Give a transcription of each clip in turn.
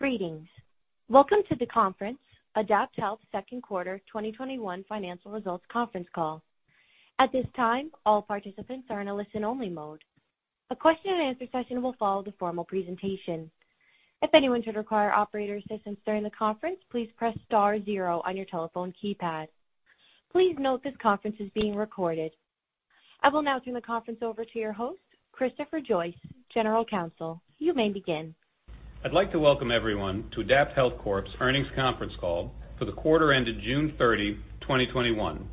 Greetings. Welcome to the conference, AdaptHealth Second Quarter 2021 Financial Results Conference Call. At this time, all participants are in a listen only mode. A question and answer session will follow the formal presentation. If anyone should require operator assistance during the conference, please press star zero on your telephone keypad. Please note this conference is being recorded. I will now turn the conference over to your host, Christopher Joyce, General Counsel. You may begin. I'd like to welcome everyone to AdaptHealth Corp.'s earnings conference call for the quarter ended June 30, 2021.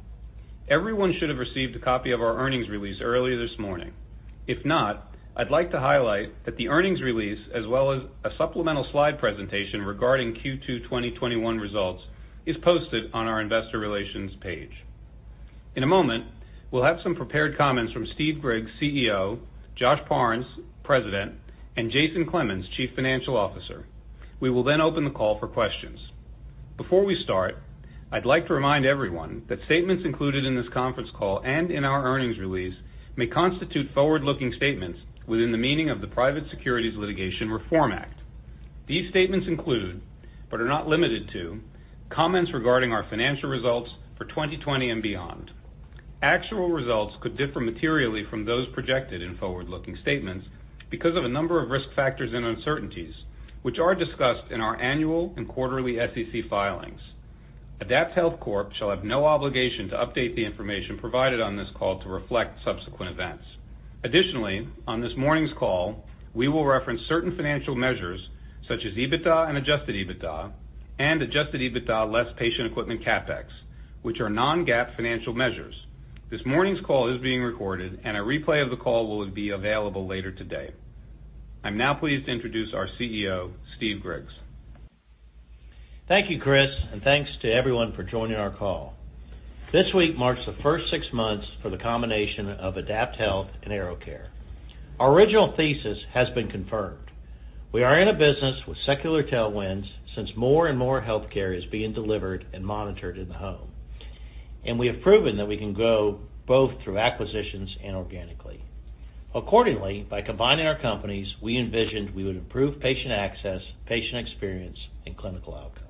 Everyone should have received a copy of our earnings release earlier this morning. If not, I'd like to highlight that the earnings release, as well as a supplemental slide presentation regarding Q2 2021 results, is posted on our investor relations page. In a moment, we'll have some prepared comments from Steve Griggs, Chief Executive Officer, Josh Parnes, President, and Jason Clemens, Chief Financial Officer. We will open the call for questions. Before we start, I'd like to remind everyone that statements included in this conference call and in our earnings release may constitute forward-looking statements within the meaning of the Private Securities Litigation Reform Act of 1995. These statements include, but are not limited to, comments regarding our financial results for 2020 and beyond. Actual results could differ materially from those projected in forward-looking statements because of a number of risk factors and uncertainties, which are discussed in our annual and quarterly SEC filings. AdaptHealth Corp. shall have no obligation to update the information provided on this call to reflect subsequent events. Additionally, on this morning's call, we will reference certain financial measures such as EBITDA and adjusted EBITDA and adjusted EBITDA less patient equipment CapEx, which are non-GAAP financial measures. This morning's call is being recorded, and a replay of the call will be available later today. I am now pleased to introduce our CEO, Steve Griggs. Thank you, Chris, and thanks to everyone for joining our call. This week marks the first six months for the combination of AdaptHealth and AeroCare. Our original thesis has been confirmed. We are in a business with secular tailwinds since more and more healthcare is being delivered and monitored in the home, and we have proven that we can grow both through acquisitions and organically. Accordingly, by combining our companies, we envisioned we would improve patient access, patient experience, and clinical outcomes.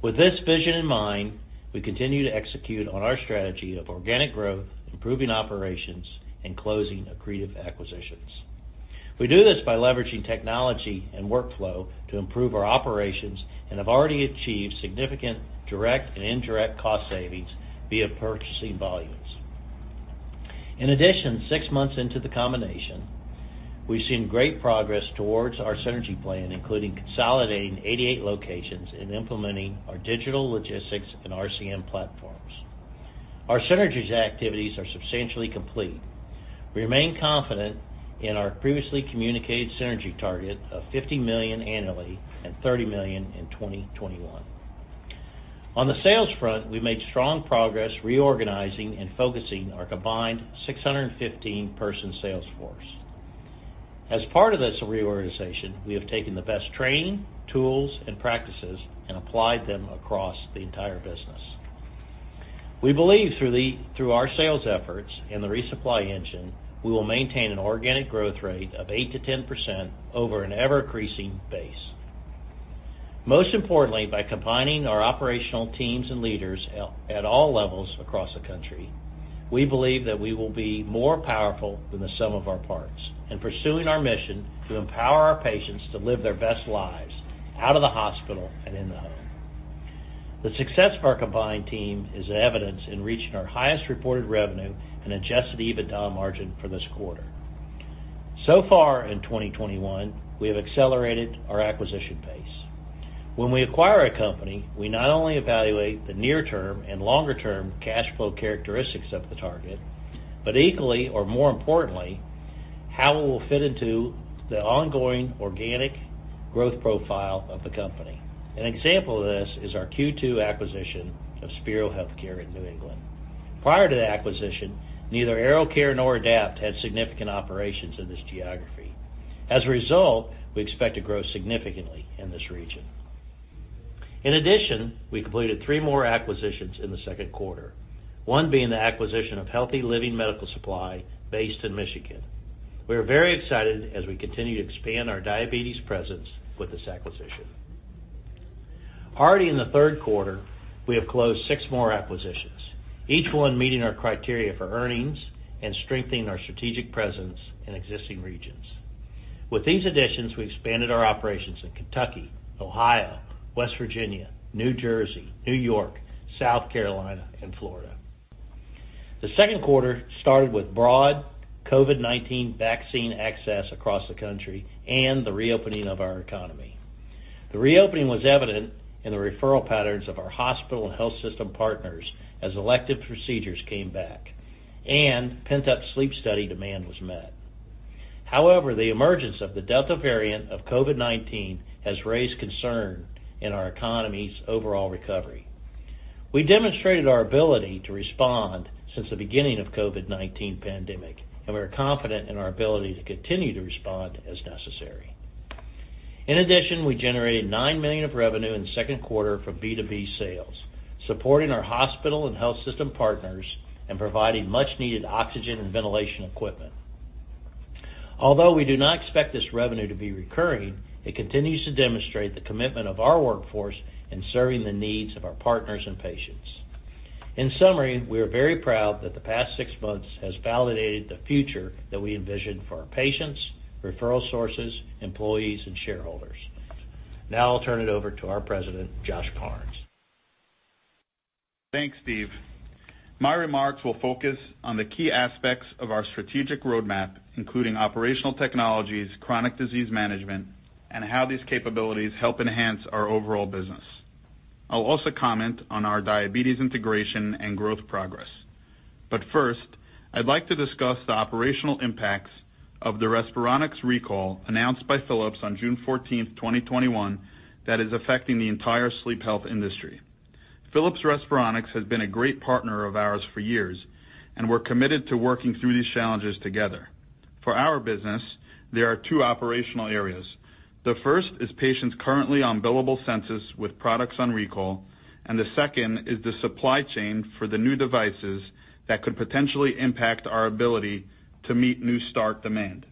With this vision in mind, we continue to execute on our strategy of organic growth, improving operations, and closing accretive acquisitions. We do this by leveraging technology and workflow to improve our operations and have already achieved significant direct and indirect cost savings via purchasing volumes. In addition, six months into the combination, we've seen great progress towards our synergy plan, including consolidating 88 locations and implementing our digital logistics and RCM platforms. Our synergies activities are substantially complete. We remain confident in our previously communicated synergy target of $50 million annually and $30 million in 2021. On the sales front, we've made strong progress reorganizing and focusing our combined 615-person sales force. As part of this reorganization, we have taken the best training, tools, and practices and applied them across the entire business. We believe through our sales efforts and the resupply engine, we will maintain an organic growth rate of 8%-10% over an ever-increasing base. Most importantly, by combining our operational teams and leaders at all levels across the country, we believe that we will be more powerful than the sum of our parts in pursuing our mission to empower our patients to live their best lives out of the hospital and in the home. The success of our combined team is evidenced in reaching our highest reported revenue and adjusted EBITDA margin for this quarter. Far in 2021, we have accelerated our acquisition pace. When we acquire a company, we not only evaluate the near-term and longer-term cash flow characteristics of the target, but equally or more importantly, how it will fit into the ongoing organic growth profile of the company. An example of this is our Q2 acquisition of Spiro Health in New England. Prior to the acquisition, neither AeroCare nor AdaptHealth had significant operations in this geography. As a result, we expect to grow significantly in this region. In addition, we completed three more acquisitions in the second quarter, one being the acquisition of Healthy Living Medical Supply based in Michigan. We are very excited as we continue to expand our diabetes presence with this acquisition. Already in the third quarter, we have closed six more acquisitions, each one meeting our criteria for earnings and strengthening our strategic presence in existing regions. With these additions, we expanded our operations in Kentucky, Ohio, West Virginia, New Jersey, New York, South Carolina, and Florida. The second quarter started with broad COVID-19 vaccine access across the country and the reopening of our economy. The reopening was evident in the referral patterns of our hospital and health system partners as elective procedures came back and pent-up sleep study demand was met. The emergence of the Delta variant of COVID-19 has raised concern in our economy's overall recovery. We demonstrated our ability to respond since the beginning of COVID-19 pandemic, and we are confident in our ability to continue to respond as necessary. We generated $9 million of revenue in the second quarter from B2B sales. Supporting our hospital and health system partners and providing much needed oxygen and ventilation equipment. Although we do not expect this revenue to be recurring, it continues to demonstrate the commitment of our workforce in serving the needs of our partners and patients. In summary, we are very proud that the past six months has validated the future that we envision for our patients, referral sources, employees and shareholders. Now I'll turn it over to our President, Josh Parnes. Thanks, Steve. My remarks will focus on the key aspects of our strategic roadmap, including operational technologies, chronic disease management, and how these capabilities help enhance our overall business. I will also comment on our diabetes integration and growth progress. But first, I would like to discuss the operational impacts of the Respironics recall announced by Philips on June 14th, 2021, that is affecting the entire sleep health industry. Philips Respironics has been a great partner of ours for years, and we are committed to working through these challenges together. For our business, there are two operational areas. The first is patients currently on billable census with products on recall, and the second is the supply chain for the new devices that could potentially impact our ability to meet new start demand.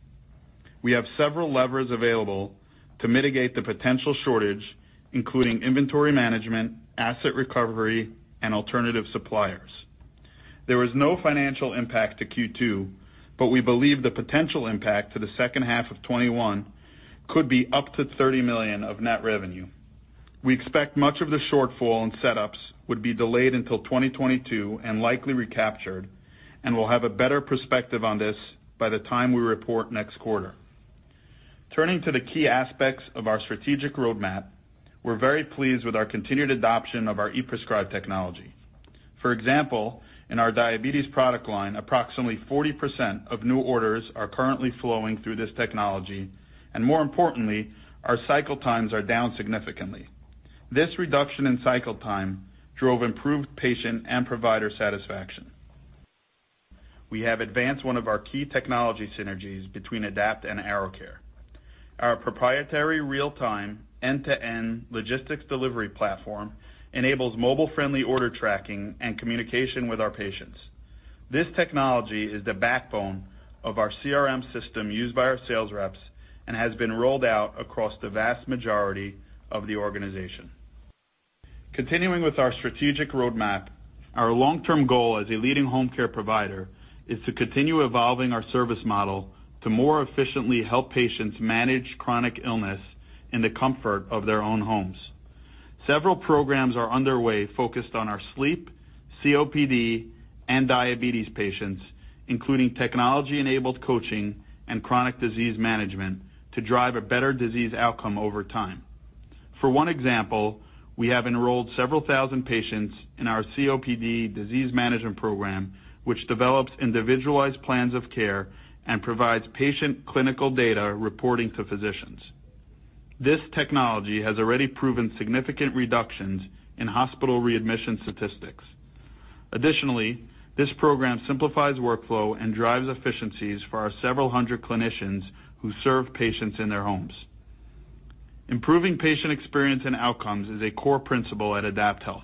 We have several levers available to mitigate the potential shortage, including inventory management, asset recovery, and alternative suppliers. There was no financial impact to Q2. We believe the potential impact to the second half of 2021 could be up to $30 million of net revenue. We expect much of the shortfall in setups would be delayed until 2022 and likely recaptured. We'll have a better perspective on this by the time we report next quarter. Turning to the key aspects of our strategic roadmap, we're very pleased with our continued adoption of our ePrescribe technology. For example, in our diabetes product line, approximately 40% of new orders are currently flowing through this technology, and more importantly, our cycle times are down significantly. This reduction in cycle time drove improved patient and provider satisfaction. We have advanced one of our key technology synergies between AdaptHealth and AeroCare. Our proprietary real-time, end-to-end logistics delivery platform enables mobile-friendly order tracking and communication with our patients. This technology is the backbone of our CRM system used by our sales reps and has been rolled out across the vast majority of the organization. Continuing with our strategic roadmap, our long-term goal as a leading home care provider is to continue evolving our service model to more efficiently help patients manage chronic illness in the comfort of their own homes. Several programs are underway focused on our sleep, COPD, and diabetes patients, including technology-enabled coaching and chronic disease management, to drive a better disease outcome over time. For one example, we have enrolled several thousand patients in our COPD disease management program, which develops individualized plans of care and provides patient clinical data reporting to physicians. This technology has already proven significant reductions in hospital readmission statistics. Additionally, this program simplifies workflow and drives efficiencies for our several hundred clinicians who serve patients in their homes. Improving patient experience and outcomes is a core principle at AdaptHealth.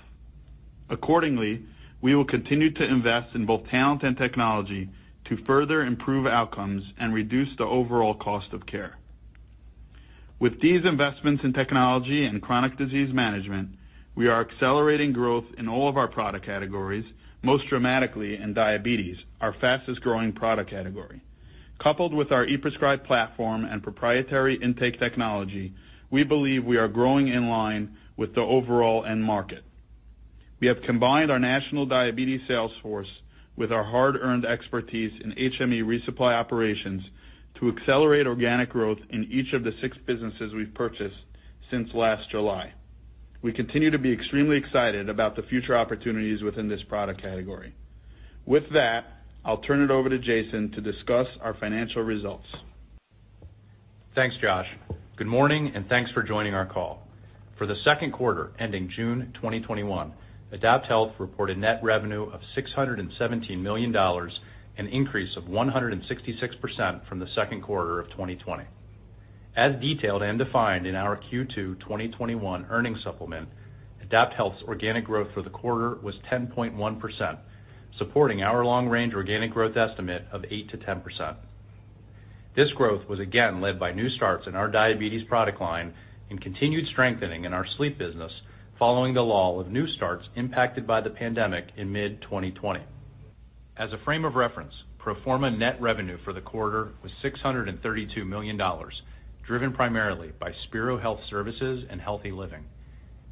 Accordingly, we will continue to invest in both talent and technology to further improve outcomes and reduce the overall cost of care. With these investments in technology and chronic disease management, we are accelerating growth in all of our product categories, most dramatically in diabetes, our fastest-growing product category. Coupled with our ePrescribe platform and proprietary intake technology, we believe we are growing in line with the overall end market. We have combined our national diabetes sales force with our hard-earned expertise in HME resupply operations to accelerate organic growth in each of the six businesses we've purchased since last July. We continue to be extremely excited about the future opportunities within this product category. With that, I'll turn it over to Jason to discuss our financial results. Thanks, Josh. Good morning, and thanks for joining our call. For the second quarter ending June 2021, AdaptHealth reported net revenue of $617 million, an increase of 166% from the second quarter of 2020. As detailed and defined in our Q2 2021 earnings supplement, AdaptHealth's organic growth for the quarter was 10.1%, supporting our long-range organic growth estimate of 8%-10%. This growth was again led by new starts in our diabetes product line and continued strengthening in our sleep business following the lull of new starts impacted by the pandemic in mid-2020. As a frame of reference, pro forma net revenue for the quarter was $632 million, driven primarily by Spiro Health Services and Healthy Living.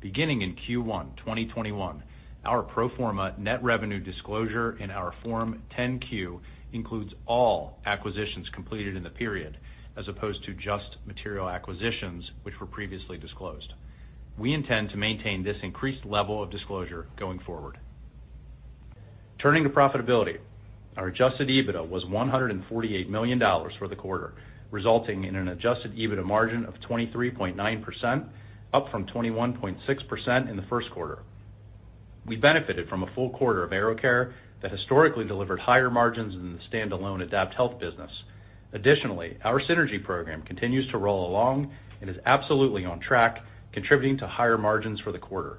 Beginning in Q1 2021, our pro forma net revenue disclosure in our Form 10-Q includes all acquisitions completed in the period, as opposed to just material acquisitions which were previously disclosed. We intend to maintain this increased level of disclosure going forward. Turning to profitability, our adjusted EBITDA was $148 million for the quarter, resulting in an adjusted EBITDA margin of 23.9%, up from 21.6% in the first quarter. We benefited from a full quarter of AeroCare that historically delivered higher margins than the standalone AdaptHealth business. Additionally, our synergy program continues to roll along and is absolutely on track, contributing to higher margins for the quarter.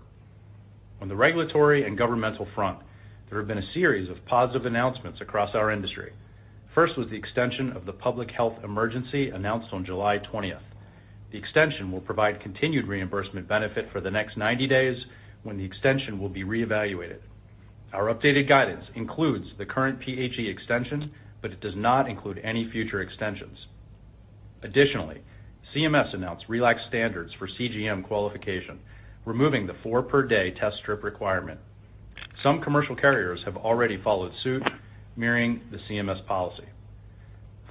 On the regulatory and governmental front, there have been a series of positive announcements across our industry. First was the extension of the public health emergency announced on July 20th. The extension will provide continued reimbursement benefit for the next 90 days, when the extension will be reevaluated. Our updated guidance includes the current PHE extension, but it does not include any future extensions. Additionally, CMS announced relaxed standards for CGM qualification, removing the four per day test strip requirement. Some commercial carriers have already followed suit, mirroring the CMS policy.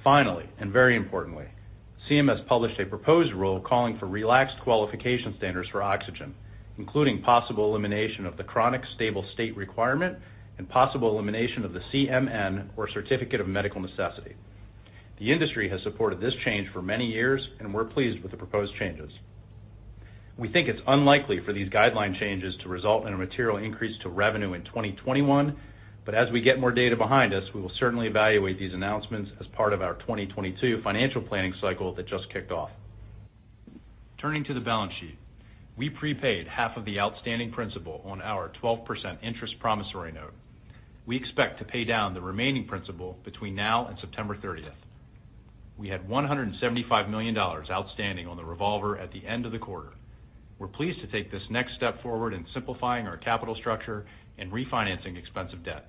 Finally, and very importantly, CMS published a proposed rule calling for relaxed qualification standards for oxygen, including possible elimination of the chronic stable state requirement and possible elimination of the CMN, or Certificate of Medical Necessity. The industry has supported this change for many years, and we're pleased with the proposed changes. We think it's unlikely for these guideline changes to result in a material increase to revenue in 2021, but as we get more data behind us, we will certainly evaluate these announcements as part of our 2022 financial planning cycle that just kicked off. Turning to the balance sheet, we prepaid half of the outstanding principal on our 12% interest promissory note. We expect to pay down the remaining principal between now and September 30th. We had $175 million outstanding on the revolver at the end of the quarter. We're pleased to take this next step forward in simplifying our capital structure and refinancing expensive debt.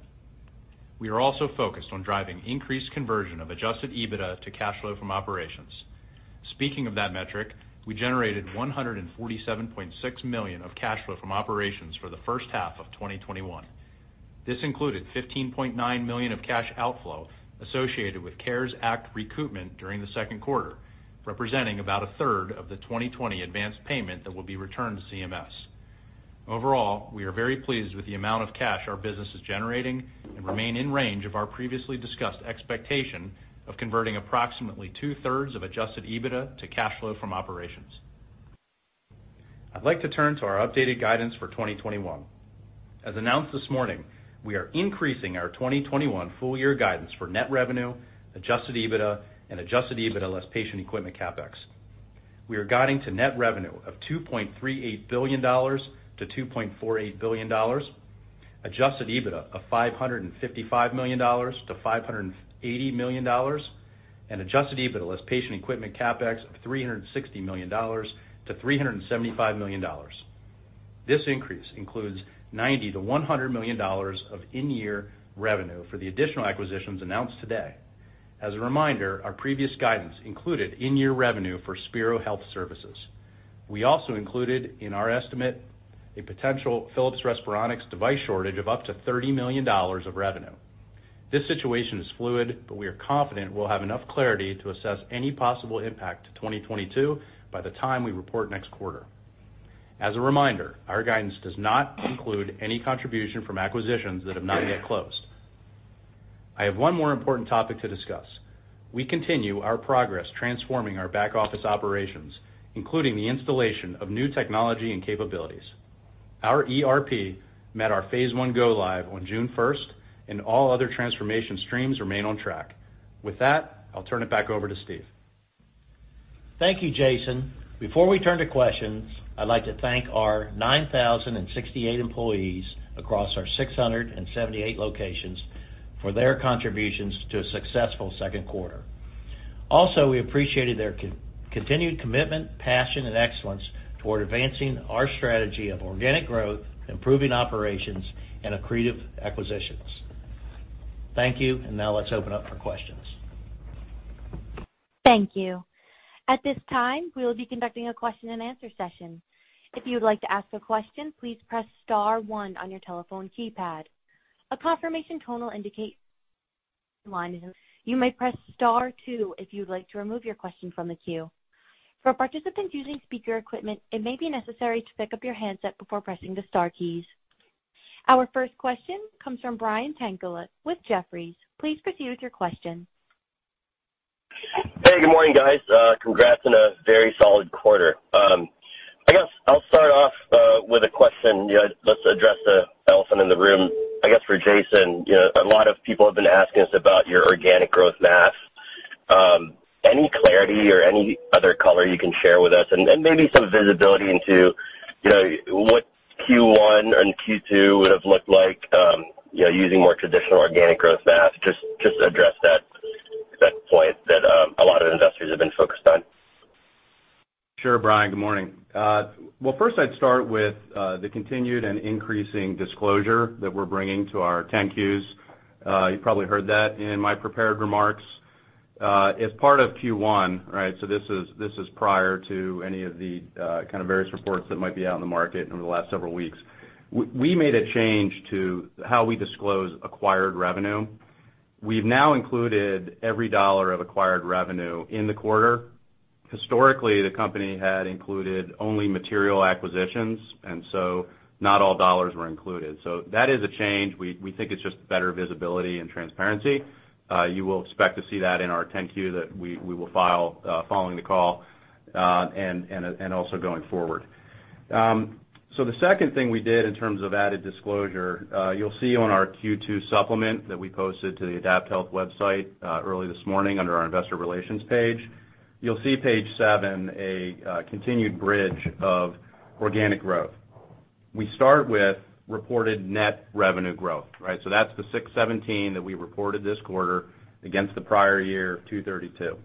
We are also focused on driving increased conversion of adjusted EBITDA to cash flow from operations. Speaking of that metric, we generated $147.6 million of cash flow from operations for the first half of 2021. This included $15.9 million of cash outflow associated with CARES Act recoupment during the second quarter, representing about a third of the 2020 advanced payment that will be returned to CMS. Overall, we are very pleased with the amount of cash our business is generating and remain in range of our previously discussed expectation of converting approximately 2/3 of adjusted EBITDA to cash flow from operations. I'd like to turn to our updated guidance for 2021. As announced this morning, we are increasing our 2021 full year guidance for net revenue, adjusted EBITDA, and adjusted EBITDA less patient equipment CapEx. We are guiding to net revenue of $2.38 billion-$2.48 billion, adjusted EBITDA of $555 million-$580 million, and adjusted EBITDA less patient equipment CapEx of $360 million-$375 million. This increase includes $90 million-$100 million of in-year revenue for the additional acquisitions announced today. As a reminder, our previous guidance included in-year revenue for Spiro Health Services. We also included in our estimate a potential Philips Respironics device shortage of up to $30 million of revenue. This situation is fluid, but we are confident we'll have enough clarity to assess any possible impact to 2022 by the time we report next quarter. As a reminder, our guidance does not include any contribution from acquisitions that have not yet closed. I have one more important topic to discuss. We continue our progress transforming our back office operations, including the installation of new technology and capabilities. Our ERP met our phase 1 go live on June 1st, and all other transformation streams remain on track. With that, I'll turn it back over to Steve. Thank you, Jason. Before we turn to questions, I'd like to thank our 9,068 employees across our 678 locations for their contributions to a successful second quarter. We appreciated their continued commitment, passion, and excellence toward advancing our strategy of organic growth, improving operations, and accretive acquisitions. Thank you. Now let's open up for questions. Thank you. At this time, we will be conducting a question and answer session. If you would like to ask a question, please press star one on your telephone keypad. A confirmation tone will indicate line is You may press star two if you'd like to remove your question from the queue. For participants using speaker equipment, it may be necessary to pick up your handset before pressing the star keys. Our first question comes from Brian Tanquilut with Jefferies. Please proceed with your question. Hey, good morning, guys. Congrats on a very solid quarter. I guess I'll start off with a question. Let's address the elephant in the room, I guess, for Jason. A lot of people have been asking us about your organic growth math. Any clarity or any other color you can share with us? Maybe some visibility into what Q1 and Q2 would have looked like using more traditional organic growth math, just to address that point that a lot of investors have been focused on. Sure, Brian. Good morning. Well, first I'd start with the continued and increasing disclosure that we're bringing to our 10-Qs. You probably heard that in my prepared remarks. As part of Q1, this is prior to any of the kind of various reports that might be out in the market over the last several weeks. We made a change to how we disclose acquired revenue. We've now included every dollar of acquired revenue in the quarter. Historically, the company had included only material acquisitions, not all dollars were included. That is a change. We think it's just better visibility and transparency. You will expect to see that in our 10-Q that we will file following the call, and also going forward. The second thing we did in terms of added disclosure, you'll see on our Q2 supplement that we posted to the AdaptHealth website early this morning under our investor relations page. You'll see page seven, a continued bridge of organic growth. We start with reported net revenue growth, right. That's the $617 that we reported this quarter against the prior year, $232 million.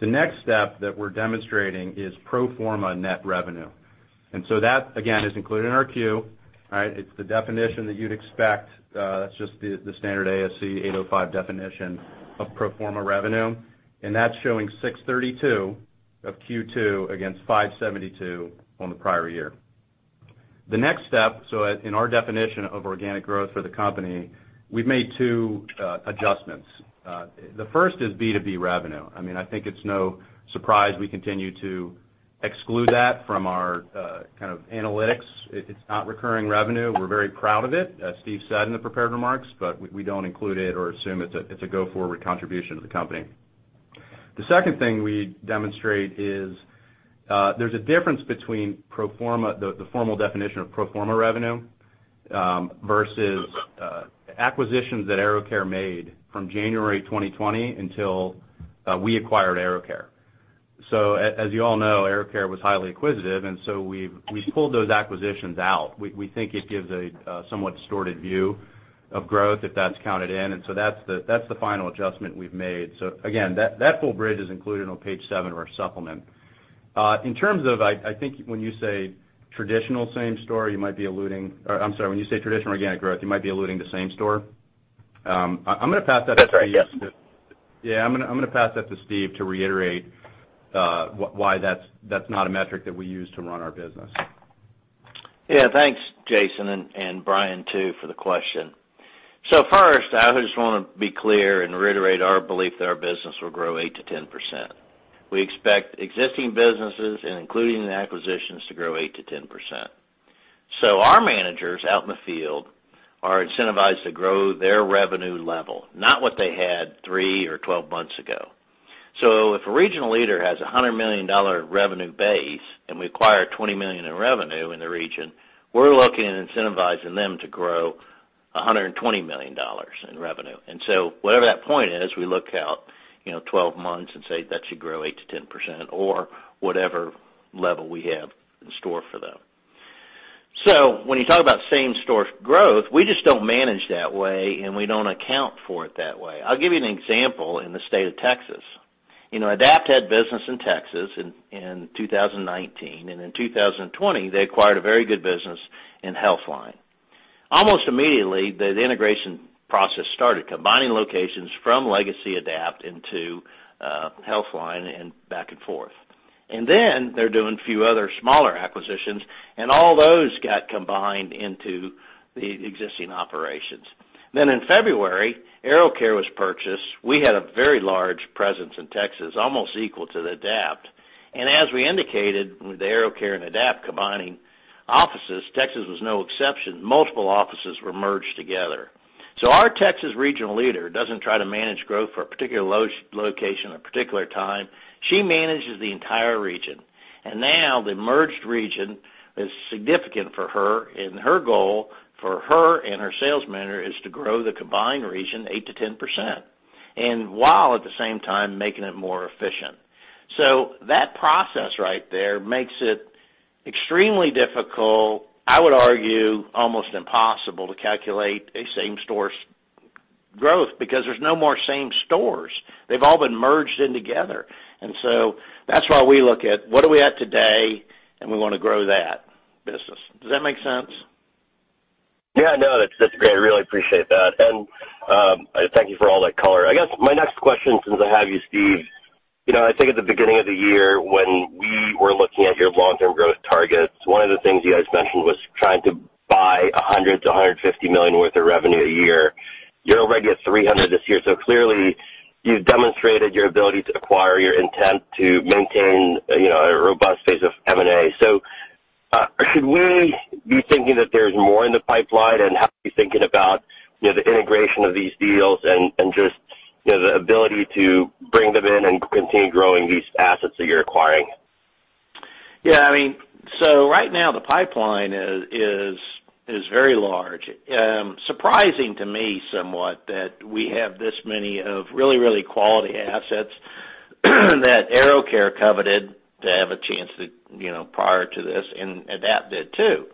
The next step that we're demonstrating is pro forma net revenue. That, again, is included in our 10-Q. It's the definition that you'd expect. It's just the standard ASC 805 definition of pro forma revenue, and that's showing $632 million of Q2 against $572 million on the prior year. The next step, in our definition of organic growth for the company, we've made two adjustments. The first is B2B revenue. I think it's no surprise we continue to exclude that from our kind of analytics. It's not recurring revenue. We're very proud of it, as Steve said in the prepared remarks, but we don't include it or assume it's a go-forward contribution to the company. The second thing we demonstrate is there's a difference between the formal definition of pro forma revenue versus acquisitions that AeroCare made from January 2020 until we acquired AeroCare. As you all know, AeroCare was highly acquisitive, and so we've pulled those acquisitions out. We think it gives a somewhat distorted view of growth if that's counted in. That's the final adjustment we've made. Again, that full bridge is included on page seven of our supplement. In terms of, I think when you say traditional organic growth, you might be alluding to same store. I'm going to pass that to Steve. That's right, yes. Yeah, I'm gonna pass that to Steve to reiterate why that's not a metric that we use to run our business. Yeah. Thanks, Jason, and Brian too for the question. First, I just want to be clear and reiterate our belief that our business will grow 8%-10%. We expect existing businesses and including the acquisitions to grow 8%-10%. Our managers out in the field are incentivized to grow their revenue level, not what they had three or 12 months ago. If a regional leader has $100 million revenue base and we acquire $20 million in revenue in the region, we're looking at incentivizing them to grow $120 million in revenue. Whatever that point is, we look out 12 months and say that should grow 8%-10% or whatever level we have in store for them. When you talk about same store growth, we just don't manage that way, and we don't account for it that way. I'll give you an example in the state of Texas. Adapt had business in Texas in 2019. In 2020, they acquired a very good business in Healthline. Almost immediately, the integration process started combining locations from Legacy Adapt into Healthline and back and forth. They're doing a few other smaller acquisitions. All those got combined into the existing operations. In February, AeroCare was purchased. We had a very large presence in Texas, almost equal to the Adapt. As we indicated with AeroCare and Adapt combining offices, Texas was no exception. Multiple offices were merged together. Our Texas regional leader doesn't try to manage growth for a particular location at a particular time. She manages the entire region. Now the merged region is significant for her, and her goal for her and her sales manager is to grow the combined region 8%-10%, and while at the same time making it more efficient. That process right there makes it extremely difficult, I would argue almost impossible, to calculate a same stores growth because there's no more same stores. They've all been merged in together. That's why we look at what are we at today, and we want to grow that business. Does that make sense? Yeah. No, that's great. Really appreciate that. Thank you for all that color. I guess my next question, since I have you, Steve, I think at the beginning of the year when we were looking at your long-term growth targets, one of the things you guys mentioned was trying to buy $100 million-$150 million worth of revenue a year. You're on track at $300 million this year, clearly you've demonstrated your ability to acquire your intent to maintain a robust phase of M&A. Should we be thinking that there's more in the pipeline and how are you thinking about the integration of these deals and just the ability to bring them in and continue growing these assets that you're acquiring? Yeah. Right now the pipeline is very large. Surprising to me somewhat that we have this many of really quality assets that AeroCare coveted to have a chance prior to this, and AdaptHealth did too.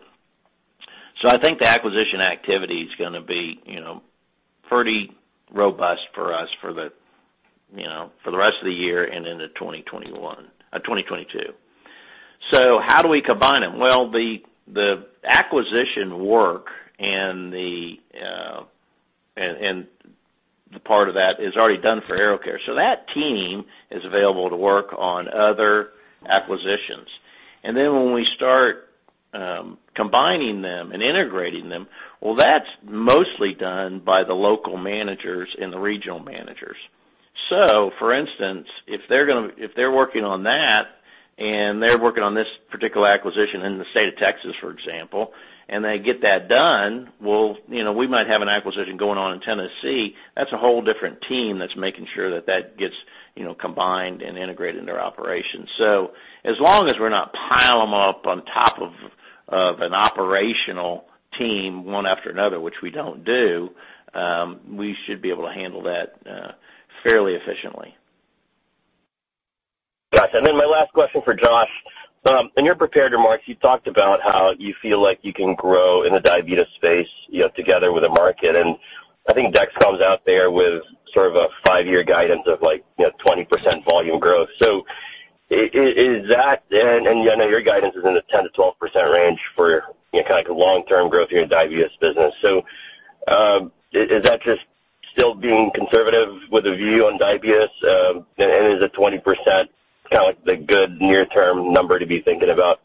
I think the acquisition activity is going to be pretty robust for us for the rest of the year and into 2022. How do we combine them? Well, the acquisition work and the part of that is already done for AeroCare. That team is available to work on other acquisitions. When we start combining them and integrating them, well, that's mostly done by the local managers and the regional managers. For instance, if they're working on that and they're working on this particular acquisition in the state of Texas, for example, and they get that done, we might have an acquisition going on in Tennessee. That's a whole different team that's making sure that that gets combined and integrated into our operations. As long as we're not piling them up on top of an operational team, one after another, which we don't do, we should be able to handle that fairly efficiently. Got you. My last question for Josh. In your prepared remarks, you talked about how you feel like you can grow in the diabetes space together with the market. I think Dexcom's out there with sort of a five-year guidance of 20% volume growth. I know your guidance is in the 10%-12% range for long-term growth in your diabetes business. Is that just still being conservative with a view on diabetes? Is the 20% the good near-term number to be thinking about?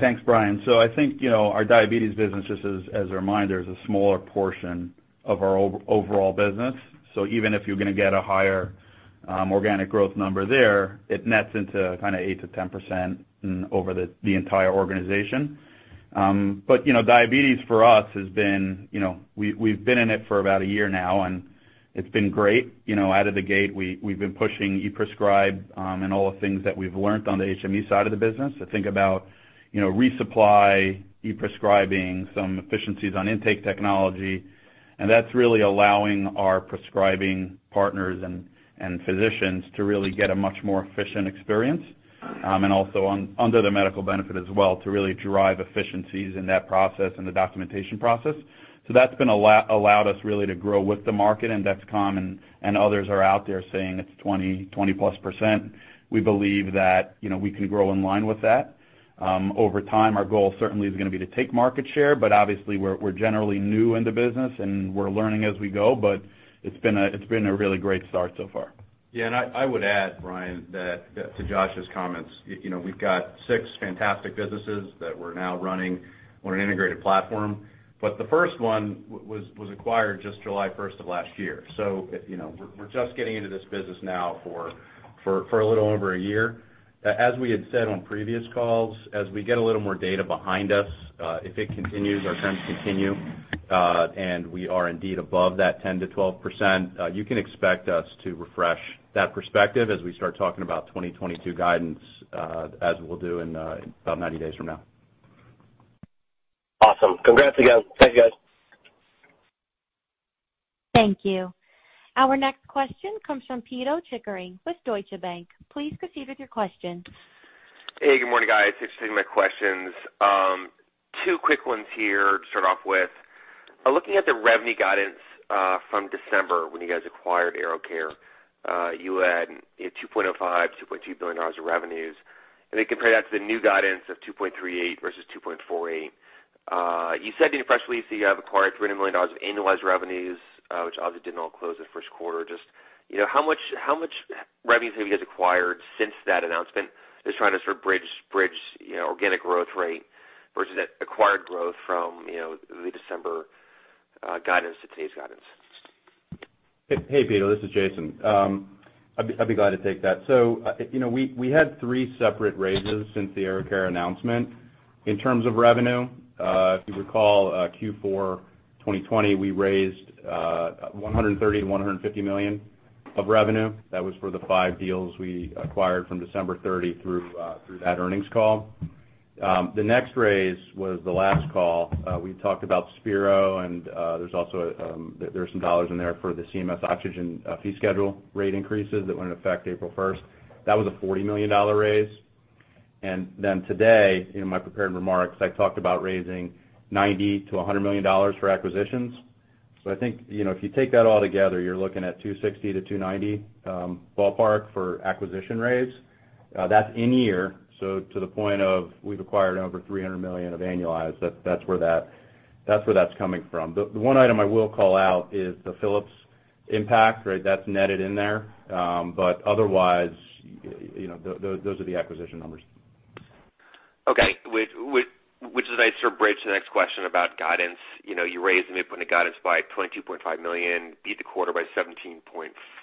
Thanks, Brian. I think, our diabetes business, just as a reminder, is a smaller portion of our overall business. Even if you're going to get a higher organic growth number there, it nets into 8%-10% over the entire organization. Diabetes for us, we've been in it for about a year now, and it's been great. Out of the gate, we've been pushing ePrescribe, and all the things that we've learned on the HME side of the business to think about resupply, ePrescribe, some efficiencies on intake technology, and that's really allowing our prescribing partners and physicians to really get a much more efficient experience. Also under the medical benefit as well, to really drive efficiencies in that process and the documentation process. That's allowed us really to grow with the market, and Dexcom and others are out there saying it's 20%+. We believe that we can grow in line with that. Over time, our goal certainly is going to be to take market share, obviously, we're generally new in the business, and we're learning as we go. It's been a really great start so far. Yeah, I would add, Brian, to Josh's comments, we've got six fantastic businesses that we're now running on an integrated platform, but the first one was acquired just July 1st of last year. We're just getting into this business now for a little over a year. As we had said on previous calls, as we get a little more data behind us, if it continues, our trends continue, and we are indeed above that 10%-12%, you can expect us to refresh that perspective as we start talking about 2022 guidance, as we'll do in about 90 days from now. Awesome. Congrats again. Thank you, guys. Thank you. Our next question comes from Pito Chickering with Deutsche Bank. Please proceed with your question. Hey, good morning, guys. Thanks for taking my questions. Two quick ones here to start off with. Looking at the revenue guidance from December, when you guys acquired AeroCare, you had $2.05 billion, $2.2 billion of revenues, and then compare that to the new guidance of $2.38 billion versus $2.48 billion. You said in your press release that you have acquired $300 million of annualized revenues, which obviously didn't all close in the first quarter. Just how much revenue have you guys acquired since that announcement? Just trying to sort of bridge organic growth rate versus that acquired growth from the December guidance to today's guidance. Hey, Pito. This is Jason. I'd be glad to take that. We had three separate raises since the AeroCare announcement. In terms of revenue, if you recall, Q4 2020, we raised $130 million-$150 million of revenue. That was for the five deals we acquired from December 30 through that earnings call. The next raise was the last call. We talked about Spiro, and there's some dollars in there for the CMS oxygen fee schedule rate increases that went into effect April 1st. That was a $40 million raise. Today, in my prepared remarks, I talked about raising $90 million-$100 million for acquisitions. I think, if you take that all together, you're looking at $260 million-$290 million ballpark for acquisition raise. That's in-year, to the point of we've acquired over $300 million of annualized. That's where that's coming from. The one item I will call out is the Philips impact. That's netted in there. Otherwise, those are the acquisition numbers. Okay. Which is a nice sort of bridge to the next question about guidance. You raised the midpoint of guidance by $22.5 million, beat the quarter by $17.4,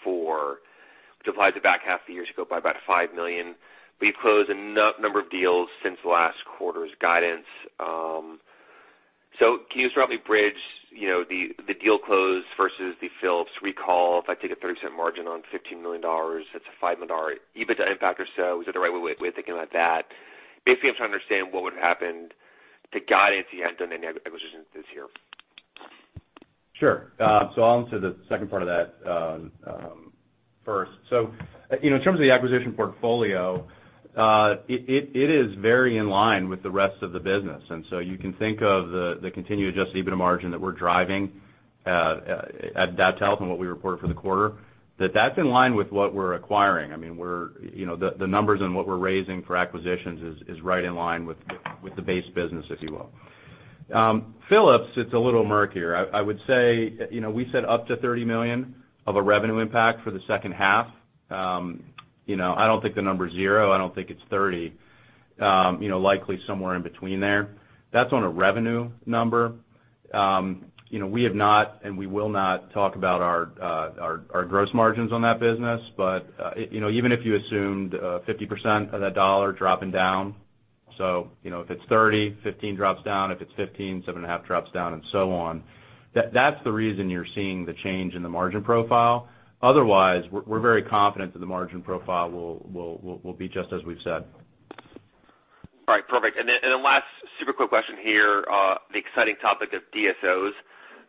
which applies to the back half of year's guidance by about $5 million. You've closed a number of deals since last quarter's guidance. Can you roughly bridge the deal closed versus the Philips recall? If I take a 30% margin on $15 million, that's a $5 million EBITDA impact or so. Is that the right way of thinking about that? Basically, I'm trying to understand what would happen to guidance if you hadn't done any acquisitions this year. Sure. I'll answer the second part of that first. In terms of the acquisition portfolio, it is very in line with the rest of the business. You can think of the continued adjusted EBITDA margin that we're driving at AdaptHealth and what we reported for the quarter, that that's in line with what we're acquiring. The numbers and what we're raising for acquisitions is right in line with the base business, if you will. Philips, it's a little murkier. I would say, we said up to $30 million of a revenue impact for the second half. I don't think the number's zero. I don't think it's $30 million. Likely somewhere in between there. That's on a revenue number. We have not, and we will not talk about our gross margins on that business. Even if you assumed 50% of that dollar dropping down, so if it's $30 million, $15 million drops down, if it's $15 million, $7.5 million drops down, and so on. That's the reason you're seeing the change in the margin profile. Otherwise, we're very confident that the margin profile will be just as we've said. All right, perfect. Last super quick question here, the exciting topic of DSOs.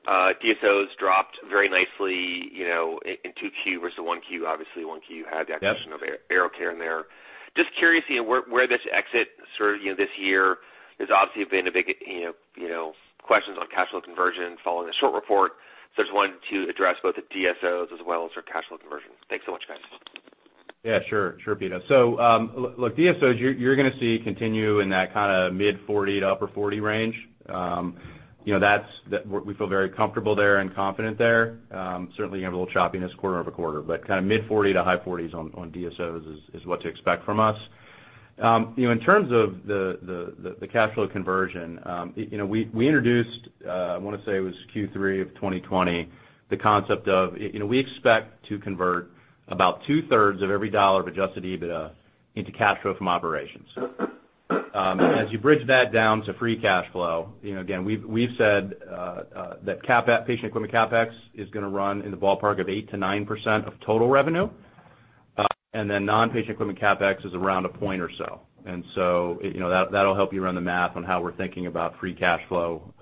DSOs dropped very nicely in 2Q versus 1Q. Obviously 1Q had that- Yes Question of AeroCare in there. Just curious where this exits this year. There's obviously been big questions on cash flow conversion following the short report. I just wanted to address both the DSOs as well as our cash flow conversion. Thanks so much, guys. Yeah, sure, Pito. Look, DSOs, you're going to see continue in that kind of mid 40 to upper 40 range. We feel very comfortable there and confident there. Certainly, you have a little choppiness quarter-over-quarter, kind of mid 40 to high 40s on DSOs is what to expect from us. In terms of the cash flow conversion, we introduced, I want to say it was Q3 of 2020, the concept of, we expect to convert about two-thirds of every dollar of adjusted EBITDA into cash flow from operations. As you bridge that down to free cash flow, again, we've said that patient equipment CapEx is going to run in the ballpark of 8%-9% of total revenue, and non-patient equipment CapEx is around a point or so. That will help you run the math on how we're thinking about free cash flow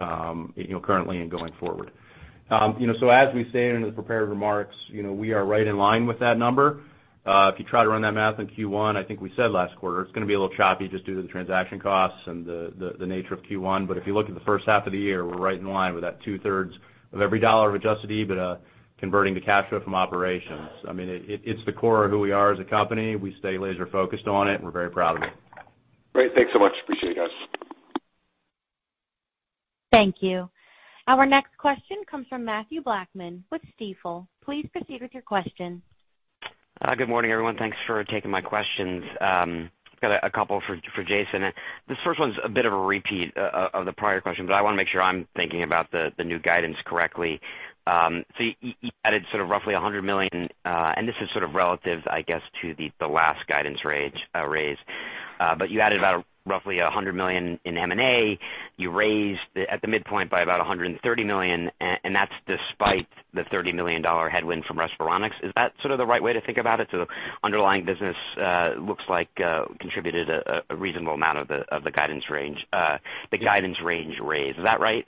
currently and going forward. As we stated in the prepared remarks, we are right in line with that number. If you try to run that math in Q1, I think we said last quarter, it's going to be a little choppy just due to the transaction costs and the nature of Q1. If you look at the first half of the year, we're right in line with that 2/3 of every dollar of adjusted EBITDA converting to cash flow from operations. It's the core of who we are as a company. We stay laser-focused on it, and we're very proud of it. Great. Thanks so much. Appreciate it, guys. Thank you. Our next question comes from Mathew Blackman with Stifel. Please proceed with your question. Good morning, everyone. Thanks for taking my questions. I've got a couple for Jason. This first one's a bit of a repeat of the prior question, but I want to make sure I'm thinking about the new guidance correctly. You added sort of roughly $100 million, and this is sort of relative, I guess, to the last guidance raise. You added about roughly $100 million in M&A. You raised at the midpoint by about $130 million, and that's despite the $30 million headwind from Respironics. Is that sort of the right way to think about it? The underlying business looks like it contributed a reasonable amount of the guidance range raise. Is that right?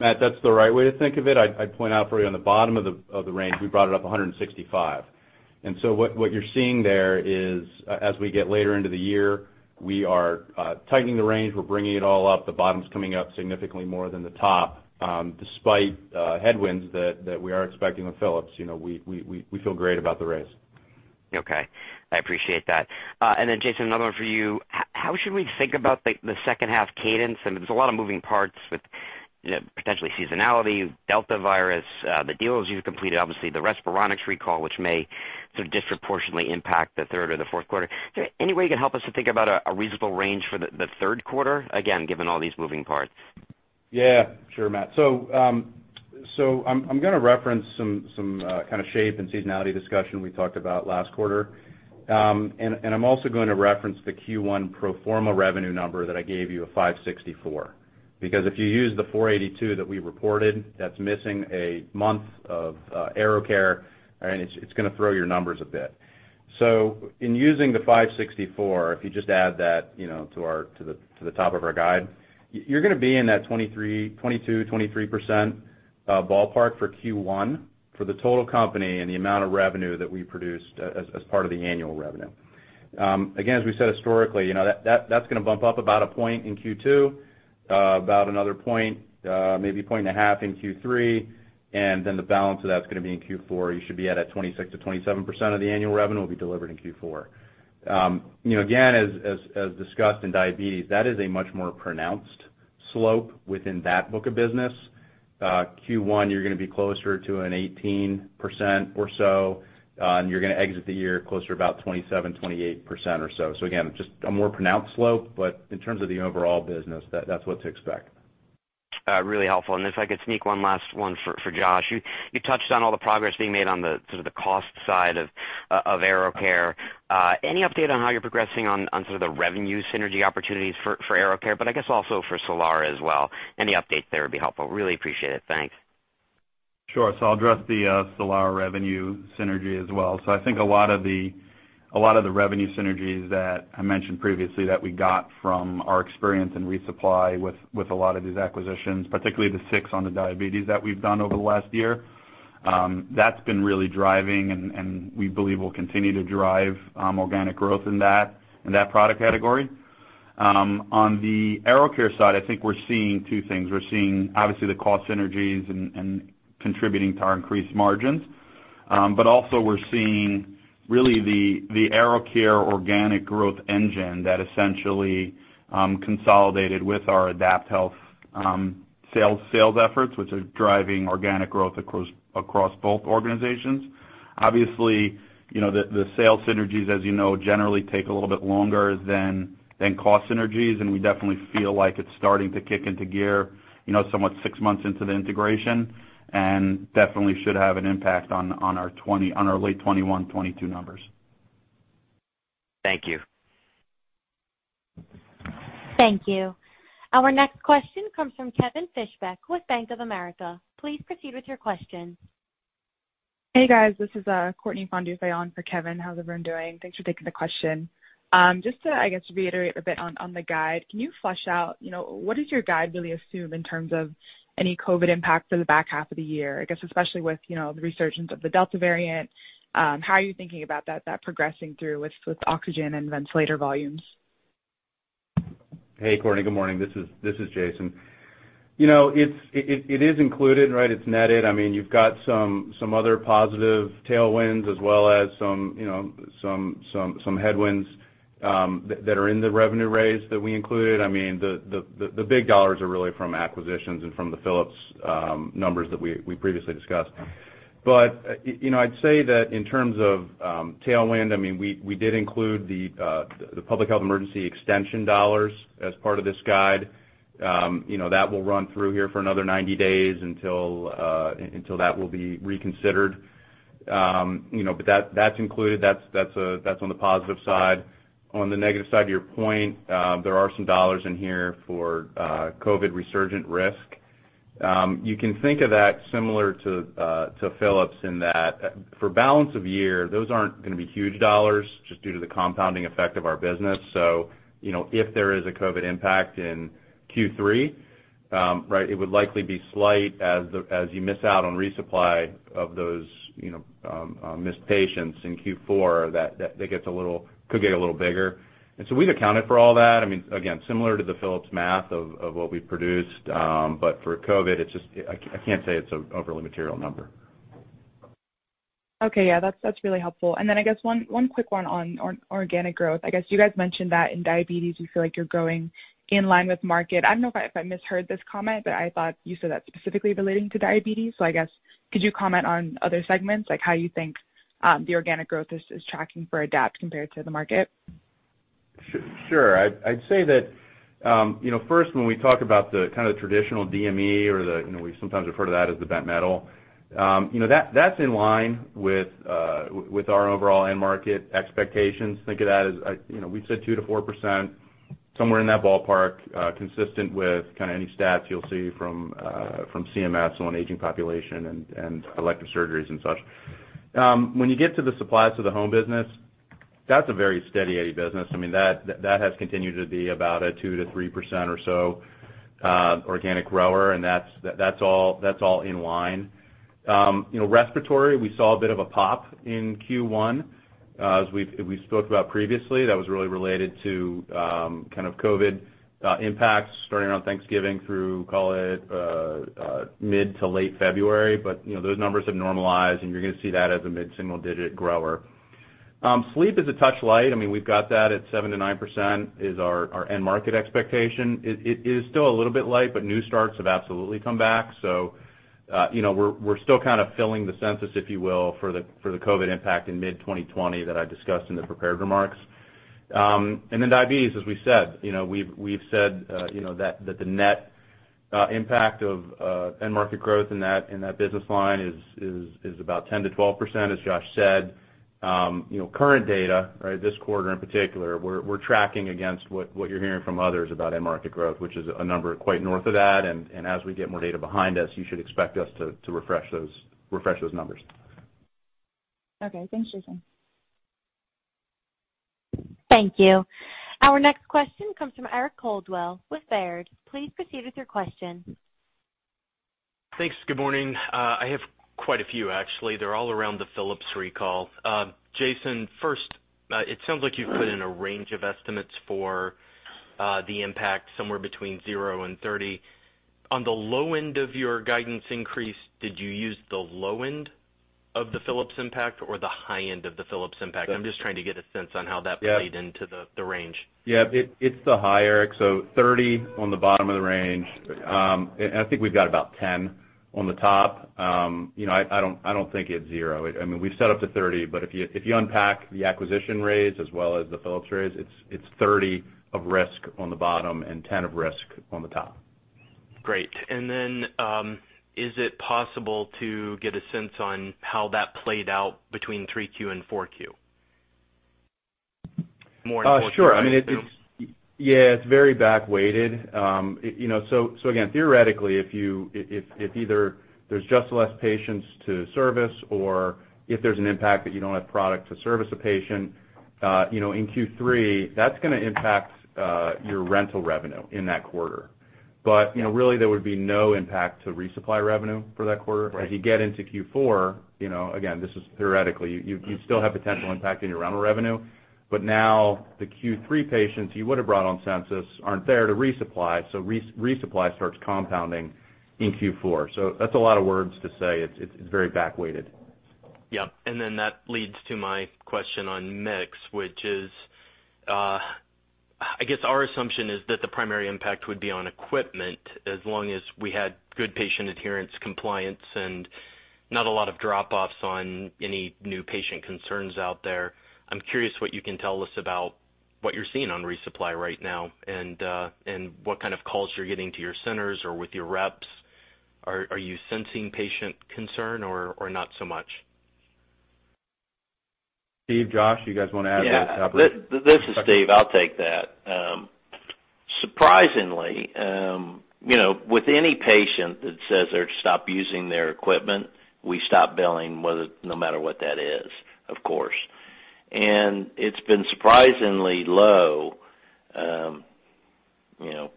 Matt, that's the right way to think of it. I'd point out for you on the bottom of the range, we brought it up $165 million. What you're seeing there is as we get later into the year, we are tightening the range. We're bringing it all up. The bottom's coming up significantly more than the top, despite headwinds that we are expecting with Philips. We feel great about the raise. Okay. I appreciate that. Then Jason, another one for you. How should we think about the second half cadence? I mean, there's a lot of moving parts with potentially seasonality, Delta virus, the deals you've completed, obviously the Respironics recall, which may sort of disproportionately impact the third or the fourth quarter. Is there any way you can help us to think about a reasonable range for the third quarter, again, given all these moving parts? Yeah, sure, Matt. I'm going to reference some kind of shape and seasonality discussion we talked about last quarter, and I'm also going to reference the Q1 pro forma revenue number that I gave you of $564 million. Because if you use the $482 million that we reported, that's missing a month of AeroCare, and it's going to throw your numbers a bit. In using the $564 million, if you just add that to the top of our guide, you're going to be in that 22%-23% ballpark for Q1 for the total company and the amount of revenue that we produced as part of the annual revenue. Again, as we said historically, that's going to bump up about a point in Q2, about another point, maybe a point and a half in Q3, and then the balance of that's going to be in Q4. You should be at a 26%-27% of the annual revenue will be delivered in Q4. Again, as discussed in diabetes, that is a much more pronounced slope within that book of business. Q1, you're going to be closer to an 18% or so, and you're going to exit the year closer to about 27%, 28% or so. Again, just a more pronounced slope, but in terms of the overall business, that's what to expect. Really helpful. If I could sneak one last one for Josh. You touched on all the progress being made on sort of the cost side of AeroCare. Any update on how you're progressing on sort of the revenue synergy opportunities for AeroCare, but I guess also for Solara as well? Any updates there would be helpful. Really appreciate it. Thanks. Sure. I'll address the Solara revenue synergy as well. I think a lot of the revenue synergies that I mentioned previously that we got from our experience in resupply with a lot of these acquisitions, particularly the six on the diabetes that we've done over the last year, that's been really driving and we believe will continue to drive organic growth in that product category. On the AeroCare side, I think we're seeing two things. We're seeing, obviously, the cost synergies and contributing to our increased margins. Also we're seeing really the AeroCare organic growth engine that essentially consolidated with our AdaptHealth sales efforts, which are driving organic growth across both organizations. Obviously, the sales synergies, as you know, generally take a little bit longer than cost synergies, and we definitely feel like it's starting to kick into gear somewhat six months into the integration, and definitely should have an impact on our late 2021, 2022 numbers. Thank you. Thank you. Our next question comes from Kevin Fischbeck with Bank of America. Please proceed with your question. Hey guys, this is Courtney Fondufe for Kevin. How's everyone doing? Thanks for taking the question. Just to, I guess, reiterate a bit on the guide, can you flesh out what does your guide really assume in terms of any COVID impact for the back half of the year? I guess especially with the resurgence of the Delta variant, how are you thinking about that progressing through with oxygen and ventilator volumes? Hey, Courtney. Good morning. This is Jason. It is included, right? It's netted. You've got some other positive tailwinds as well as some headwinds that are in the revenue raise that we included. The big dollars are really from acquisitions and from the Philips numbers that we previously discussed. I'd say that in terms of tailwind, we did include the public health emergency extension dollars as part of this guide. That will run through here for another 90 days until that will be reconsidered. That's included. That's on the positive side. On the negative side, to your point, there are some dollars in here for COVID resurgent risk. You can think of that similar to Philips in that for balance of year, those aren't going to be huge dollars just due to the compounding effect of our business. If there is a COVID impact in Q3, it would likely be slight as you miss out on resupply of those missed patients in Q4, that could get a little bigger. We've accounted for all that. Again, similar to the Philips math of what we've produced, but for COVID, I can't say it's an overly material number. Okay. Yeah, that's really helpful. I guess one quick one on organic growth. I guess you guys mentioned that in diabetes, you feel like you're growing in line with market. I don't know if I misheard this comment, I thought you said that specifically relating to diabetes. I guess, could you comment on other segments, like how you think the organic growth is tracking for AdaptHealth compared to the market? Sure. I'd say that first when we talk about the kind of traditional DME or we sometimes refer to that as the bent metal, that's in line with our overall end market expectations. Think of that as, we said 2%-4%, somewhere in that ballpark, consistent with kind of any stats you'll see from CMS on aging population and elective surgeries and such. When you get to the supplies for the home business, that's a very steady business. That has continued to be about a 2%-3% or so organic grower, and that's all in line. Respiratory, we saw a bit of a pop in Q1, as we spoke about previously, that was really related to kind of COVID-19 impacts starting around Thanksgiving through, call it, mid to late February. Those numbers have normalized, and you're going to see that as a mid-single digit grower. Sleep is a touch light. We've got that at 7%-9%, is our end market expectation. It is still a little bit light, but new starts have absolutely come back. So, we're still kind of filling the census, if you will, for the COVID impact in mid-2020 that I discussed in the prepared remarks. Diabetes, as we said. We've said that the net impact of end market growth in that business line is about 10%-12%, as Josh said. Current data, this quarter in particular, we're tracking against what you're hearing from others about end market growth, which is a number quite north of that, and as we get more data behind us, you should expect us to refresh those numbers. Okay. Thanks, Jason. Thank you. Our next question comes from Eric Coldwell with Baird. Please proceed with your question. Thanks. Good morning. I have quite a few, actually. They're all around the Philips recall. Jason, first, it sounds like you put in a range of estimates for the impact, somewhere between $0-$30. On the low end of your guidance increase, did you use the low end of the Philips impact or the high end of the Philips impact? I'm just trying to get a sense on how that played into the range. Yeah, it's the high, Eric. 30 on the bottom of the range, and I think we've got about 10 on the top. I don't think it's zero. We've set up to 30, but if you unpack the acquisition raise as well as the Philips raise, it's 30 of risk on the bottom and 10 of risk on the top. Great. Is it possible to get a sense on how that played out between 3Q and 4Q? More in 4Q than in 3Q. Sure. It's very back weighted. Again, theoretically, if either there's just less patients to service or if there's an impact that you don't have product to service a patient, in Q3, that's going to impact your rental revenue in that quarter. Really, there would be no impact to resupply revenue for that quarter. Right. As you get into Q4, again, this is theoretically, you still have potential impact in your rental revenue, but now the Q3 patients you would have brought on census aren't there to resupply, so resupply starts compounding in Q4. That's a lot of words to say it's very back weighted. Yep. That leads to my question on mix, which is, I guess our assumption is that the primary impact would be on equipment as long as we had good patient adherence, compliance, and not a lot of drop-offs on any new patient concerns out there. I am curious what you can tell us about what you are seeing on resupply right now and what kind of calls you are getting to your centers or with your reps. Are you sensing patient concern or not so much? Steve, Josh, you guys want to add to that? Yeah. This is Steve, I'll take that. Surprisingly, with any patient that says they're to stop using their equipment, we stop billing, no matter what that is, of course. It's been surprisingly low, a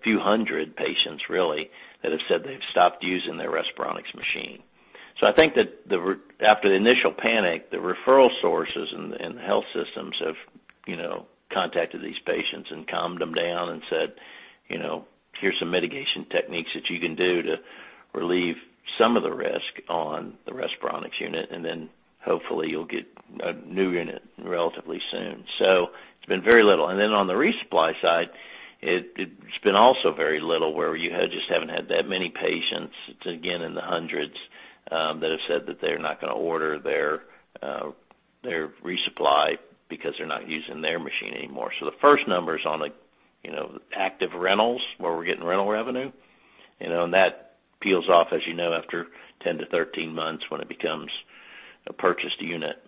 few hundred patients really, that have said they've stopped using their Respironics machine. I think that after the initial panic, the referral sources and the health systems have contacted these patients and calmed them down and said, "Here's some mitigation techniques that you can do to relieve some of the risk on the Respironics unit, and then hopefully you'll get a new unit relatively soon." It's been very little. On the resupply side, it's been also very little where you just haven't had that many patients. It's again in the hundreds that have said that they're not going to order their resupply because they're not using their machine anymore. The first number's on the active rentals where we're getting rental revenue. That peels off, as you know, after 10-13 months when it becomes a purchased unit.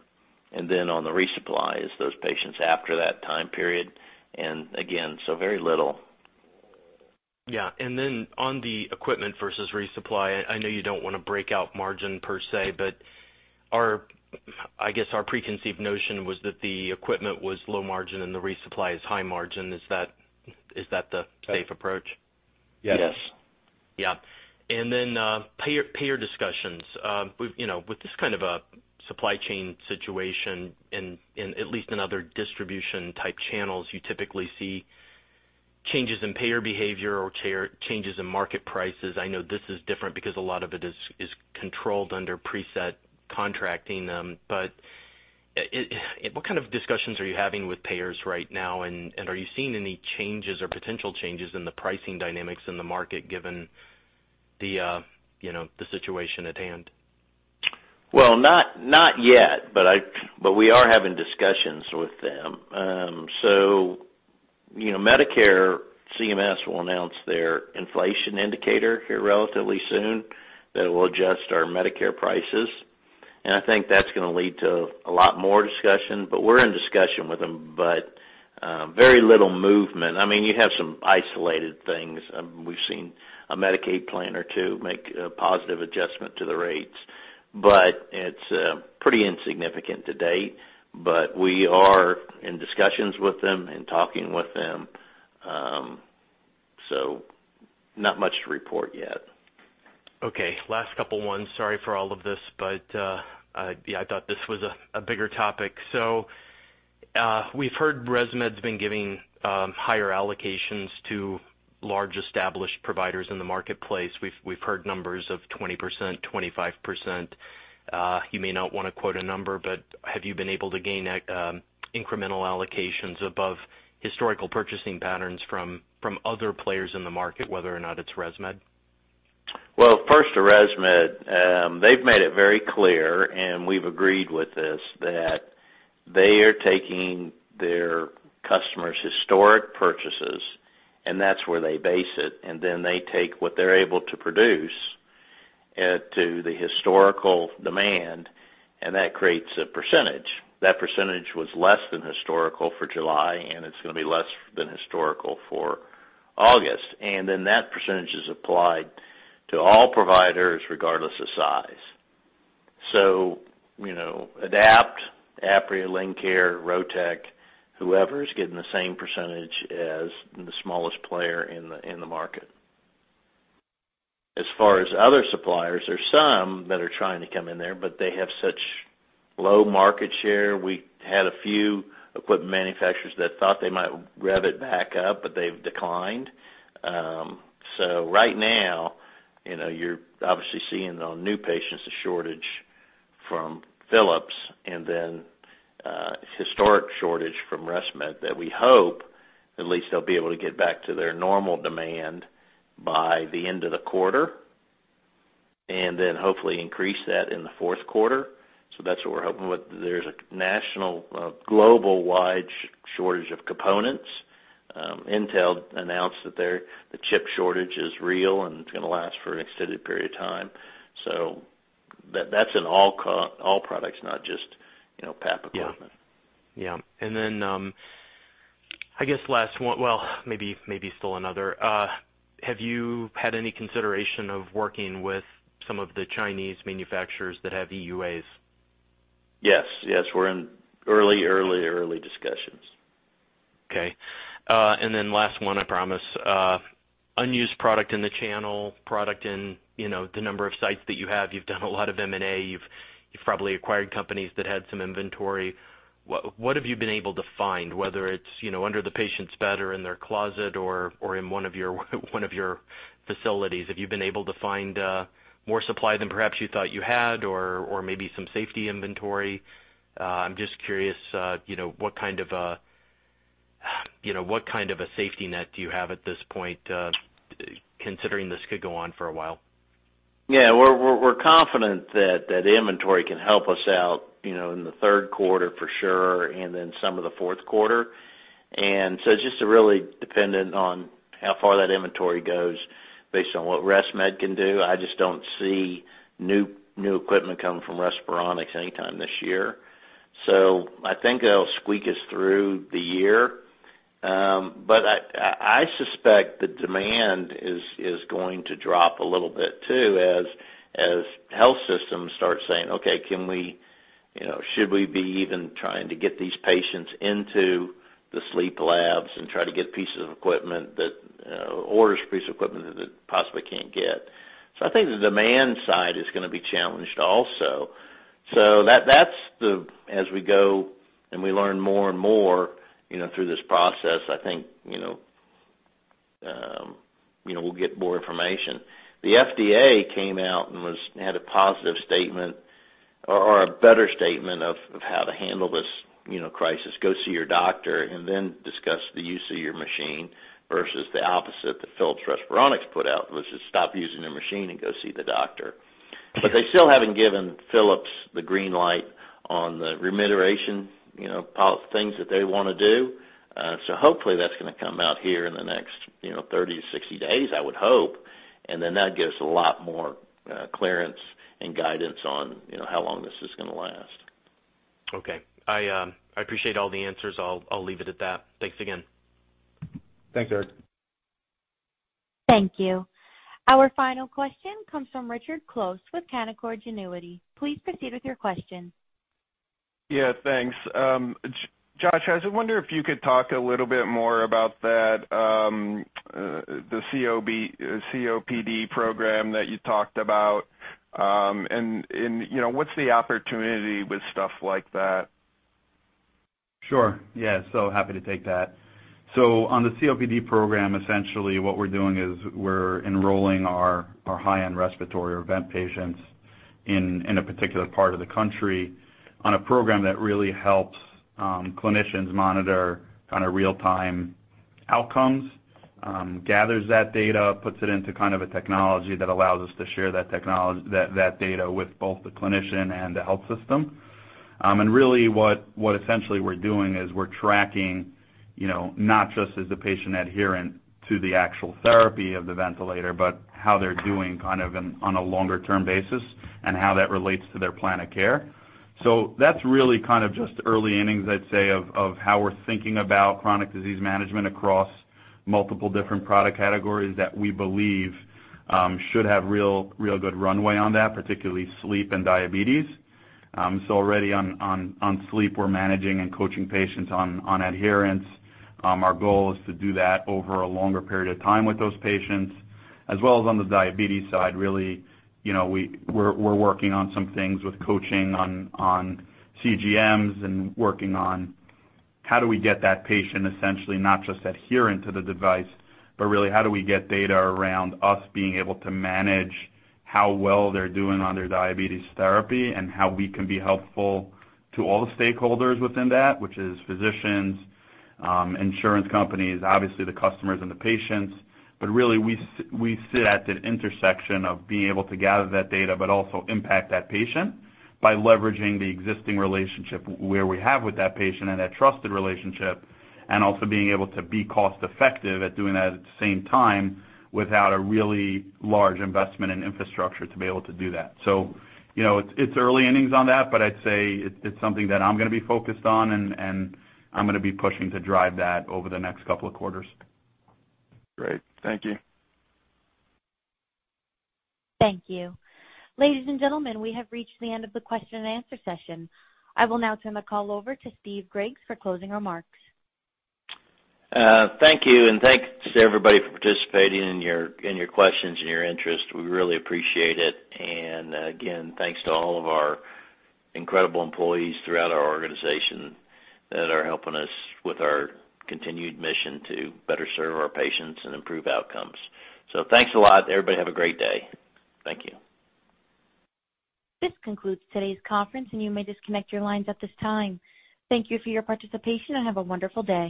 Then on the resupply is those patients after that time period. Again, very little. Yeah. On the equipment versus resupply, I know you don't want to break out margin per se, but I guess our preconceived notion was that the equipment was low margin and the resupply is high margin. Is that the safe approach? Yes. Yeah. Payer discussions. With this kind of a supply chain situation, in at least in other distribution type channels, you typically see changes in payer behavior or changes in market prices. I know this is different because a lot of it is controlled under preset contracting. What kind of discussions are you having with payers right now, and are you seeing any changes or potential changes in the pricing dynamics in the market given the situation at hand? Well, not yet, we are having discussions with them. Medicare, CMS will announce their inflation indicator here relatively soon that will adjust our Medicare prices. I think that's going to lead to a lot more discussion, we're in discussion with them, very little movement. You have some isolated things. We've seen a Medicaid plan or two make a positive adjustment to the rates, it's pretty insignificant to date. We are in discussions with them and talking with them, not much to report yet. Okay. Last couple ones. Sorry for all of this, but, yeah, I thought this was a bigger topic. We've heard ResMed's been giving higher allocations to large established providers in the marketplace. We've heard numbers of 20%, 25%. You may not want to quote a number, but have you been able to gain incremental allocations above historical purchasing patterns from other players in the market, whether or not it's ResMed? Well, first to ResMed, they've made it very clear, and we've agreed with this, that they are taking their customers' historic purchases and that's where they base it, and then they take what they're able to produce to the historical demand, and that creates a percentage. That percentage was less than historical for July, and it's going to be less than historical for August. That percentage is applied to all providers, regardless of size. AdaptHealth, Apria, Lincare, Rotech, whoever is getting the same percentage as the smallest player in the market. As far as other suppliers, there's some that are trying to come in there, but they have such low market share. We had a few equipment manufacturers that thought they might rev it back up, but they've declined. Right now, you're obviously seeing on new patients, a shortage from Philips and then a historic shortage from ResMed that we hope at least they'll be able to get back to their normal demand by the end of the quarter and then hopefully increase that in the fourth quarter. That's what we're hoping with. There's a national, global-wide shortage of components. Intel announced that the chip shortage is real, and it's going to last for an extended period of time. That's in all products, not just PAP equipment. Yeah. I guess last one. Well, maybe still another. Have you had any consideration of working with some of the Chinese manufacturers that have EUAs? Yes. We're in early discussions. Okay. Last one, I promise. Unused product in the channel, product in the number of sites that you have. You've done a lot of M&A. You've probably acquired companies that had some inventory. What have you been able to find, whether it's under the patient's bed or in their closet or in one of your facilities? Have you been able to find more supply than perhaps you thought you had or maybe some safety inventory? I'm just curious, what kind of a safety net do you have at this point, considering this could go on for a while? Yeah. We're confident that inventory can help us out in the third quarter for sure and then some of the fourth quarter. It's just really dependent on how far that inventory goes based on what ResMed can do. I just don't see new equipment coming from Respironics anytime this year. I think it'll squeak us through the year. I suspect the demand is going to drop a little bit too, as health systems start saying, "Okay, should we be even trying to get these patients into the sleep labs and try to order pieces of equipment that they possibly can't get?" I think the demand side is going to be challenged also. As we go and we learn more and more through this process, I think we'll get more information. The FDA came out and had a positive statement or a better statement of how to handle this crisis. Go see your doctor and then discuss the use of your machine, versus the opposite that Philips Respironics put out, which is stop using the machine and go see the doctor. They still haven't given Philips the green light on the remediation, things that they want to do. Hopefully that's going to come out here in the next 30-60 days, I would hope. That gives a lot more clearance and guidance on how long this is going to last. Okay. I appreciate all the answers. I'll leave it at that. Thanks again. Thanks, Eric. Thank you. Our final question comes from Richard Close with Canaccord Genuity. Please proceed with your question. Yeah, thanks. Josh, I was wondering if you could talk a little bit more about the COPD program that you talked about, and what's the opportunity with stuff like that? Sure. Yeah, happy to take that. On the COPD program, essentially what we're doing is we're enrolling our high-end respiratory or vent patients in a particular part of the country on a program that really helps clinicians monitor kind of real-time outcomes, gathers that data, puts it into kind of a technology that allows us to share that data with both the clinician and the health system. Really what essentially we're doing is we're tracking not just is the patient adherent to the actual therapy of the ventilator, but how they're doing kind of on a longer term basis and how that relates to their plan of care. That's really kind of just early innings, I'd say, of how we're thinking about chronic disease management across multiple different product categories that we believe should have real good runway on that, particularly sleep and diabetes. Already on sleep, we're managing and coaching patients on adherence. Our goal is to do that over a longer period of time with those patients, as well as on the diabetes side, really, we're working on some things with coaching on CGMs and working on how do we get that patient essentially not just adherent to the device, but really how do we get data around us being able to manage how well they're doing on their diabetes therapy and how we can be helpful to all the stakeholders within that, which is physicians, insurance companies, obviously the customers and the patients. Really we sit at the intersection of being able to gather that data, but also impact that patient by leveraging the existing relationship where we have with that patient and that trusted relationship, and also being able to be cost effective at doing that at the same time without a really large investment in infrastructure to be able to do that. It's early innings on that, but I'd say it's something that I'm going to be focused on, and I'm going to be pushing to drive that over the next couple of quarters. Great. Thank you. Thank you. Ladies and gentlemen, we have reached the end of the question and answer session. I will now turn the call over to Steve Griggs for closing remarks. Thank you. Thanks to everybody for participating and your questions and your interest. We really appreciate it. Again, thanks to all of our incredible employees throughout our organization that are helping us with our continued mission to better serve our patients and improve outcomes. Thanks a lot. Everybody have a great day. Thank you. This concludes today's conference. You may disconnect your lines at this time. Thank you for your participation. Have a wonderful day.